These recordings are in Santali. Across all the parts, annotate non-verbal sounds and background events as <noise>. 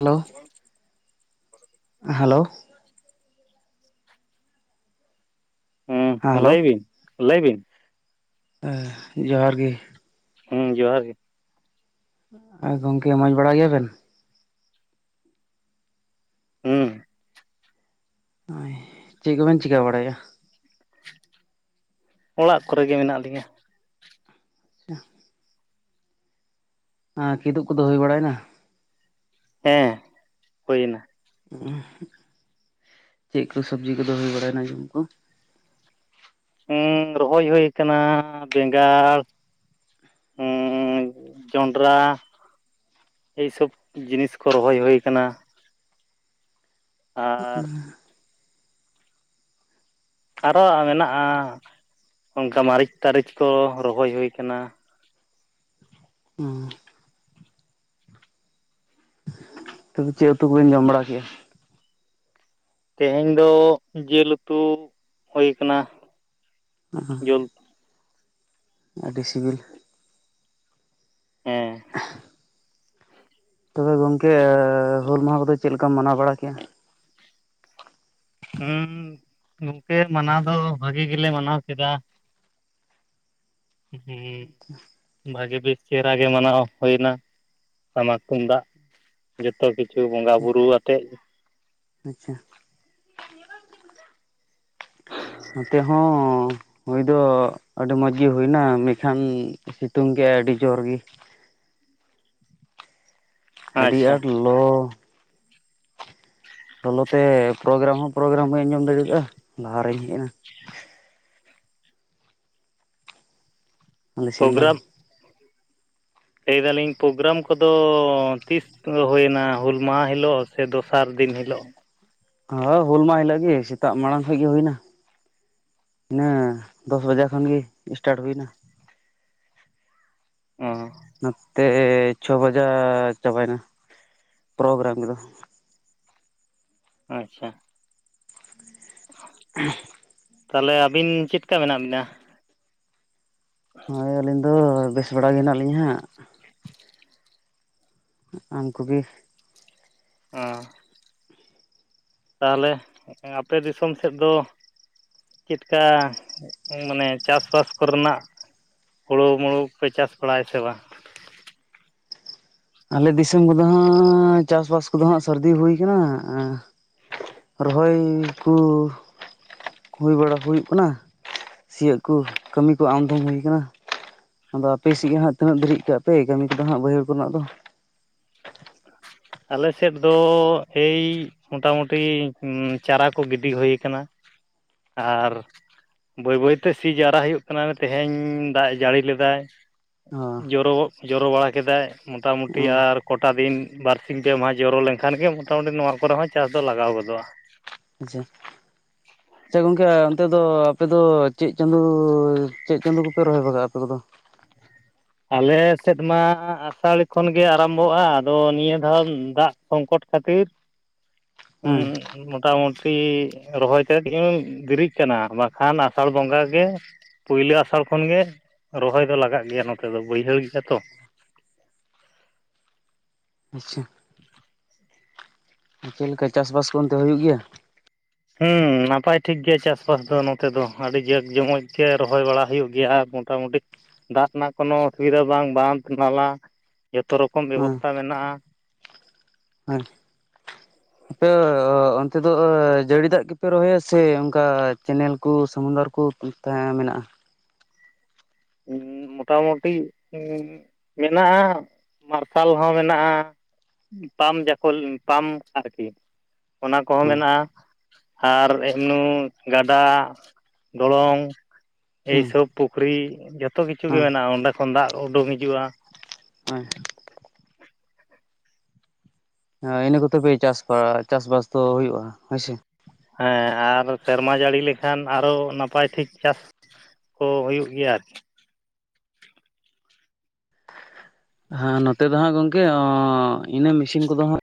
ᱦᱮᱞᱳ ᱦᱮᱞᱳ, ᱦᱮᱸ ᱞᱟᱹᱭ ᱵᱤᱱ ᱞᱟᱹᱭ ᱵᱤᱱ, ᱦᱮᱸ ᱡᱚᱦᱟᱨ ᱜᱮ, ᱦᱮᱸ ᱡᱚᱦᱟᱨ ᱜᱮ, ᱟᱨ ᱜᱚᱢᱠᱮ ᱢᱚᱸᱡᱽ ᱵᱟᱲᱟ ᱜᱮᱭᱟ ᱵᱮᱱ? ᱦᱩᱸ᱾ ᱦᱳᱭ ᱪᱮᱫ ᱠᱚᱵᱮᱱ ᱪᱤᱠᱟᱹ ᱵᱟᱲᱟᱭᱮᱜ-ᱟ? ᱚᱲᱟᱜ ᱠᱚᱨᱮ ᱜᱮ ᱢᱮᱱᱟᱜ ᱞᱤᱧᱟᱹ᱾ <inaudible> ᱦᱮᱸ, ᱠᱤᱫᱩᱵ ᱠᱚᱫᱚ ᱦᱩᱭ ᱵᱟᱲᱟᱭᱮᱱᱟ? ᱦᱮᱸ, ᱦᱩᱭᱮᱱᱟ᱾ ᱦᱩᱸ-ᱩᱸ, ᱪᱮᱫ ᱠᱚ ᱥᱚᱵᱡᱤ ᱠᱚᱫᱚ ᱦᱩᱭ ᱵᱟᱲᱟᱭᱮᱱᱟ, ᱡᱮᱢᱚᱱ ᱩᱝᱠᱩ ᱡᱚᱢ ᱠᱩ ᱦᱩᱸ ᱨᱚᱦᱚᱭ ᱦᱩᱭ ᱠᱟᱱᱟ ᱵᱮᱸᱜᱟᱲ ᱩᱸ ᱡᱚᱸᱰᱨᱟ ᱮᱭ ᱥᱚᱵ ᱡᱤᱱᱤᱥ ᱠᱚ ᱨᱚᱦᱚᱭ ᱦᱩᱭ ᱠᱟᱱᱟ᱾ ᱟᱨ ᱟᱸ᱾ ᱟᱨᱚ ᱢᱮᱱᱟᱜ-ᱟ ᱚᱝᱠᱟ ᱢᱟᱨᱤᱪ ᱛᱟᱨᱤᱪ ᱠᱚ ᱨᱚᱦᱚᱭ ᱦᱩᱭᱩ ᱠᱟᱱᱟ᱾ ᱦᱩᱸ᱾ ᱛᱚᱵᱮ ᱪᱮᱫ ᱩᱛᱩ ᱠᱚᱵᱮᱱ ᱡᱚᱢ ᱵᱟᱲᱟ ᱠᱮᱜ-ᱟ? ᱛᱮᱦᱮᱧ ᱫᱚ ᱡᱤᱞ ᱩᱛᱩ ᱦᱩᱭ ᱠᱟᱱᱟ᱾ ᱚ, ᱡᱤᱞ ᱟᱹᱰᱤ ᱥᱤᱵᱤᱞ᱾ ᱦᱮᱸ᱾ ᱛᱚᱵᱮ ᱜᱚᱝᱠᱮ ᱦᱩᱞ ᱢᱟᱦᱟ ᱠᱚᱫᱚ ᱪᱮᱫ ᱞᱮᱠᱟᱢ ᱢᱟᱱᱟᱣ ᱵᱟᱲᱟ ᱠᱮᱜ-ᱟ? ᱦᱩᱸ, ᱜᱚᱝᱠᱮ ᱢᱟᱱᱟᱣ ᱫᱚ ᱵᱷᱟᱜᱤ ᱜᱮᱞᱮ ᱢᱟᱱᱟᱣ ᱠᱮᱫᱟ᱾ ᱦᱩᱸ, ᱵᱷᱟᱹᱜᱤ ᱵᱮᱥ ᱪᱮᱦᱨᱟ ᱜᱮ ᱢᱟᱱᱟᱣ ᱦᱩᱭᱱᱟ ᱴᱟᱢᱟᱠ ᱛᱩᱢᱫᱟᱜ᱾ ᱡᱚᱛᱚ ᱠᱤᱪᱷᱩ ᱵᱚᱸᱜᱟ ᱵᱩᱨᱩᱣᱟᱛᱮᱫ᱾ ᱟᱪᱪᱷᱟ᱾ ᱱᱚᱛᱮ ᱦᱚᱸ᱾ ᱦᱩᱭ ᱫᱚ ᱟᱹᱰᱤ ᱢᱚᱸᱡᱽᱜᱮ ᱦᱩᱭᱱᱟ, ᱢᱮᱱᱠᱷᱟᱱ ᱥᱤᱛᱩᱝ ᱠᱮᱜ-ᱟᱭ ᱟᱹᱰᱤ ᱡᱳᱨᱜᱮ᱾ ᱟᱹᱰᱤ ᱟᱪᱪᱷᱟ ᱟᱸᱴ ᱞᱚᱻ ᱞᱚᱞᱚ ᱛᱮ ᱯᱨᱳᱜᱨᱟᱢ ᱦᱚᱸ ᱯᱨᱳᱜᱨᱟᱢ ᱵᱟᱹᱧ ᱟᱸᱡᱚᱢ ᱫᱟᱲᱮᱭᱟᱫ-ᱟ ᱞᱟᱦᱟᱨᱮᱧ ᱦᱮᱡ ᱮᱱᱟ᱾ ᱟᱞᱮ ᱥᱮᱱ ᱫᱚ᱾ ᱯᱨᱳᱜᱨᱟᱢ ᱞᱟᱹᱭ ᱫᱟᱞᱤᱧ ᱯᱨᱳᱜᱨᱟᱢ ᱠᱚᱫᱚ ᱛᱤᱥ ᱦᱩᱭᱮᱱᱟ ᱦᱩᱞ ᱢᱟᱦᱟ ᱦᱤᱞᱳᱜ ᱥᱮ ᱫᱚᱥᱟᱨ ᱫᱤᱱ ᱦᱤᱞᱳᱜ? ᱦᱚᱸ, ᱦᱩᱞ ᱢᱟᱦᱟ ᱦᱤᱞᱳ ᱜᱮ ᱥᱮᱛᱟᱜ ᱢᱟᱲᱟᱝ ᱠᱷᱚᱡ ᱜᱮ ᱦᱩᱭᱱᱟ᱾ ᱦᱮ ᱸᱫᱚᱥ ᱵᱟᱡᱮ ᱠᱷᱚᱱ ᱜᱮ ᱥᱴᱟᱴ ᱦᱩᱭᱱᱟ᱾ ᱚ᱾ ᱱᱚᱛᱮ ᱪᱷᱚ ᱵᱟᱡᱟᱜ ᱪᱟᱵᱟᱭᱱᱟ ᱯᱨᱳᱜᱨᱟᱢ ᱫᱚ᱾ ᱟᱪᱪᱷᱟ᱾ <inaudible> ᱛᱟᱦᱞᱮ ᱟᱹᱵᱤᱱ ᱪᱮᱫᱠᱟ ᱢᱮᱱᱟᱜ ᱵᱮᱱᱟ? ᱦᱚᱸ, ᱟᱹᱞᱤᱧ ᱫᱚ ᱵᱮᱥ ᱵᱮᱲᱟ ᱜᱮ ᱦᱮᱱᱟᱜ ᱞᱤᱧᱟ ᱦᱟᱸᱜ᱾ ᱩᱱᱠᱩ ᱜᱮ? ᱚ᱾ ᱛᱟᱦᱞᱮ ᱟᱯᱮ ᱫᱤᱥᱚᱢ ᱥᱮᱫ ᱫᱚ ᱪᱮᱫᱠᱟ ᱢᱟᱱᱮ ᱪᱟᱥᱵᱟᱥ ᱠᱚᱨᱮᱱᱟᱜ? ᱦᱩᱲᱩ ᱢᱩᱲᱩ ᱠᱚᱯᱮ ᱪᱟᱥ ᱵᱟᱲᱟᱭᱟ ᱥᱮ ᱵᱟᱝ? ᱟᱞᱮ ᱫᱤᱥᱚᱢ ᱠᱚᱫᱚ ᱦᱟᱸᱜᱻ ᱪᱟᱥᱵᱟᱥ ᱠᱚᱫᱚ ᱦᱟᱸᱜ ᱥᱟᱹᱨᱫᱤ ᱦᱩᱭ ᱠᱟᱱᱟ᱾ ᱟᱸ ᱨᱚᱦᱚᱭ ᱠᱩ ᱦᱩᱭ ᱵᱟᱲᱟ ᱦᱩᱭᱩᱜ ᱠᱟᱱᱟ, ᱥᱤᱭᱳᱜ ᱠᱚ ᱠᱟᱹᱢᱤ ᱠᱚ ᱟᱢᱫᱚᱢ ᱦᱩᱭ ᱠᱟᱱᱟ? ᱟᱫᱚ ᱟᱯᱮᱥᱮᱫ ᱜᱮ ᱦᱟᱸᱜ ᱛᱤᱱᱟᱹᱜ ᱫᱷᱟᱨᱤᱡ ᱠᱟᱜ ᱯᱮ ᱠᱟᱹᱢᱤ ᱠᱚᱫᱚ ᱦᱟᱸᱜ ᱵᱟᱹᱭᱦᱟᱹᱲ ᱠᱚᱨᱮᱱᱟᱜ ᱫᱚ? ᱟᱞᱮ ᱥᱮᱫ ᱫᱚ ᱮᱭ ᱢᱚᱴᱟᱢᱩᱴᱤ ᱪᱟᱨᱟ ᱠᱚ ᱜᱤᱰᱤ ᱦᱩᱭ ᱠᱟᱱᱟ ᱟᱨ ᱵᱟᱹᱭ ᱵᱟᱹᱭᱛᱮ ᱥᱤ ᱡᱟᱣᱨᱟ ᱦᱩᱭᱩᱜ ᱠᱟᱱᱟ ᱛᱮᱦᱮᱧ ᱫᱟᱜ-ᱮ ᱡᱟᱹᱲᱤ ᱞᱮᱫᱟᱭ ᱡᱚᱨᱚᱜᱚ ᱡᱚᱨᱚ ᱵᱟᱲᱟ ᱠᱮᱫᱟᱭ ᱚ ᱢᱚᱴᱟᱢᱩᱴᱤ ᱟᱨ ᱠᱚᱴᱟ ᱫᱤᱱ ᱵᱟᱨ ᱥᱤᱝ ᱯᱮ ᱢᱟᱦᱟ ᱡᱚᱨᱚ ᱞᱮᱱᱠᱷᱟᱱ ᱜᱮ ᱢᱚᱴᱟᱢᱩᱴᱤ ᱱᱚᱣᱟ ᱠᱚᱨᱮ ᱦᱚᱸ ᱪᱟᱥ ᱫᱚ ᱞᱟᱜᱟᱣ ᱜᱚᱫᱚᱜᱼᱟ ᱾ ᱟᱪᱪᱷᱟ ᱟᱪᱪᱷᱟ ᱜᱚᱝᱠᱮ ᱱᱚᱛᱮ ᱫᱚ ᱟᱯᱮ ᱫᱚ ᱪᱮᱫ ᱪᱟᱸᱫᱚ ᱪᱮᱫ ᱪᱟᱸᱫᱚ ᱠᱚᱯᱮ ᱨᱚᱦᱚᱭ ᱵᱟᱜᱟᱜᱼᱟ ᱟᱯᱮ ᱠᱚᱫᱚ? ᱟᱞᱮ ᱥᱮᱫ ᱢᱟ ᱟᱥᱟᱲᱤ ᱠᱷᱚᱱᱜᱮ ᱟᱨᱟᱢᱵᱷᱚᱜᱼᱟ ᱟᱫᱚ ᱱᱤᱭᱟᱹ ᱫᱷᱟᱣ ᱫᱟᱜ ᱥᱚᱝᱠᱚᱴ ᱠᱷᱟᱹᱛᱤᱨ <unintelligible> <unintelligible> ᱢᱚᱴᱟᱢᱩᱴᱤ ᱨᱚᱦᱚᱭ ᱛᱮ ᱫᱤᱱ ᱫᱮᱨᱤᱜ ᱠᱟᱱᱟ ᱵᱟᱠᱷᱟᱱ ᱟᱥᱟᱲ ᱵᱚᱸᱜᱟ ᱜᱮ ᱯᱳᱭᱞᱳ ᱟᱥᱟᱲ ᱠᱷᱚᱱ ᱜᱮ ᱨᱚᱦᱚᱭ ᱫᱚ ᱞᱟᱜᱟᱜ ᱜᱮᱭᱟ ᱱᱚᱛᱮ ᱫᱚ ᱵᱟᱹᱭᱦᱟᱹᱲ ᱜᱮᱭᱟ ᱛᱚ᱾ ᱟᱪᱪᱷᱟ ᱾ ᱪᱮᱫ ᱞᱮᱠᱟ ᱪᱟᱥᱵᱟᱥ ᱠᱚ ᱚᱱᱛᱮ ᱦᱩᱭᱩᱜ ᱜᱮᱭᱟ? ᱦᱩᱸ ᱱᱟᱯᱟᱭ ᱴᱷᱤᱠ ᱜᱮᱭᱟ ᱪᱟᱥᱵᱟᱥ ᱫᱚ ᱱᱚᱛᱮ ᱫᱚ ᱟᱹᱰᱤ ᱡᱟᱠ ᱡᱚᱢᱚᱡ ᱜᱮ ᱨᱚᱦᱚᱭ ᱵᱟᱲᱟ ᱦᱩᱭᱩᱜ ᱜᱮᱭᱟ ᱾ᱟᱨ ᱢᱳᱴᱟᱢᱩᱴᱤ ᱫᱟᱜ ᱨᱮᱱᱟᱜ ᱠᱳᱱᱳ ᱚᱥᱩᱵᱤᱫᱷᱟ ᱵᱟᱝ ᱵᱟᱸᱫ ᱱᱟᱞᱟ ᱡᱚᱛᱚ ᱨᱚᱠᱚᱢ ᱦᱮᱸ ᱵᱮᱵᱚᱥᱛᱷᱟ ᱢᱮᱱᱟᱜᱼᱟ᱾ <unintelligible> ᱟᱯᱮ ᱚᱱᱛᱮ ᱫᱚ ᱡᱟᱹᱲᱤ ᱫᱟᱜ ᱜᱮᱯᱮ ᱨᱚᱦᱚᱭᱟ ᱥᱮ ᱚᱱᱠᱟ ᱪᱮᱱᱮᱞ ᱠᱚ ᱥᱚᱢᱩᱱᱫᱚᱨ ᱠᱚ ᱛᱟᱦᱮᱸ ᱢᱮᱱᱟᱜᱼᱟ᱾ ᱦᱩᱸ ᱢᱳᱚᱴᱟᱢᱩᱴᱤ ᱦᱩᱸ ᱢᱮᱱᱟᱜᱼᱟ ᱢᱟᱨᱥᱟᱞ ᱦᱚᱸ ᱢᱮᱱᱟᱜᱼᱟ ᱾ ᱯᱟᱢᱯ ᱡᱟᱠᱚᱞ ᱯᱟᱢ ᱟᱨᱠᱤ ᱚᱱᱟ ᱠᱚᱦᱚᱸ ᱦᱩᱸ ᱢᱮᱱᱟᱜᱼᱟ ᱾ ᱟᱨ ᱮᱢᱱᱩ ᱜᱟᱰᱟ ᱰᱚᱞᱚᱝ ᱮᱭ ᱦᱮᱸ ᱥᱚᱵ, ᱯᱩᱠᱷᱨᱤ ᱡᱚᱛᱚ ᱠᱤᱪᱷᱩᱜ ᱜᱮ ᱢᱮᱱᱟᱜᱼᱟ ᱚᱸᱰᱮ ᱠᱷᱚᱱ ᱫᱟᱜ ᱩᱰᱩᱝ ᱦᱤᱡᱩᱜᱼᱟ᱾ <unintelligible> ᱦᱮ ᱤᱱᱟᱹ ᱠᱚᱛᱮ ᱯᱮ ᱪᱟᱥ ᱵᱟ ᱪᱟᱥᱵᱟᱥ ᱫᱚ ᱦᱩᱭᱩᱜᱼᱟ ᱦᱳᱭᱥᱮ᱾ ᱦᱮᱸ ᱟᱨ ᱥᱮᱨᱢᱟ ᱡᱟᱹᱲᱤ ᱞᱮᱠᱷᱟᱱ ᱟᱨᱚ ᱱᱟᱯᱟᱭ ᱴᱷᱤᱠ ᱪᱟᱥ ᱠᱚ ᱦᱩᱭᱩᱜ ᱜᱮᱭᱟ ᱟᱨᱠᱤ᱾ ᱦᱟᱸ ᱱᱚᱛᱮ ᱫᱚ ᱦᱟᱸᱜ ᱜᱚᱝᱠᱮ ᱤᱱᱟᱹ ᱢᱮᱥᱤᱱ ᱠᱚᱫᱚ ᱦᱟᱸᱜ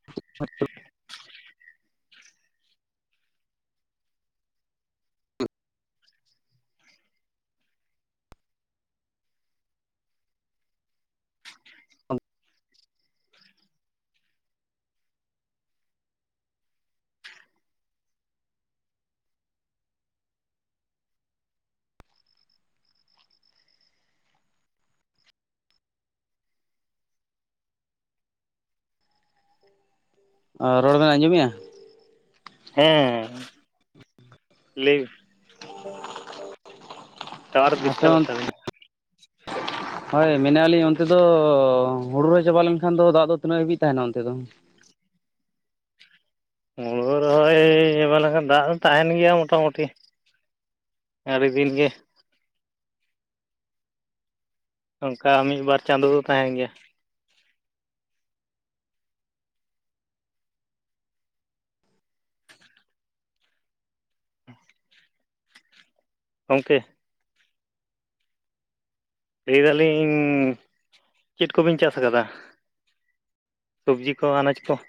ᱨᱚᱲ ᱵᱮᱱ ᱟᱸᱡᱚᱢᱭᱟ? ᱦᱮᱸ ᱞᱟᱹᱭ ᱢᱮ <unintelligible> ᱴᱟᱣᱟᱨ ᱟᱯᱮ ᱵᱤᱥᱴᱟᱵᱚᱮᱫ ᱛᱟᱵᱤᱱᱟ ᱾ ᱦᱳᱭ ᱢᱮᱱᱮᱼᱟ ᱞᱤᱧ ᱚᱱᱛᱮ ᱫᱚ ᱦᱩᱲᱩ ᱨᱚᱦᱚᱭ ᱪᱟᱵᱟ ᱞᱮᱱᱠᱷᱟᱱ ᱫᱚ ᱫᱟᱜ ᱫᱚ ᱛᱤᱱᱟᱹᱜ ᱦᱟᱹᱵᱤᱡ ᱛᱟᱦᱮᱱᱟ ᱚᱱᱛᱮ ᱫᱚ? ᱦᱩᱲᱩ ᱨᱮᱦᱚᱸᱚᱭ ᱪᱟᱵᱟ ᱞᱮᱠᱷᱟᱱ ᱫᱟᱜ ᱫᱚ ᱛᱟᱦᱮᱱ ᱜᱮᱭᱟ ᱢᱚᱴᱟᱢᱩᱴᱤ ᱾ ᱟᱹᱰᱤ ᱫᱤᱱ ᱜᱮ ᱚᱱᱠᱟ ᱢᱤᱫ ᱵᱟᱨ ᱪᱟᱸᱫᱚ ᱫᱚ ᱛᱟᱦᱮᱱ ᱜᱮᱭᱟ ᱾ ᱜᱚᱝᱠᱮ ᱞᱟᱹᱭᱫᱟᱞᱤᱧ ᱪᱮᱫ ᱠᱚᱵᱤᱱ ᱪᱟᱥ ᱟᱠᱟᱫᱟ? ᱥᱚᱵᱽᱡᱤ ᱠᱚ ᱟᱱᱟᱡᱽ ᱠᱚ?